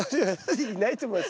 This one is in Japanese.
いないと思いますね。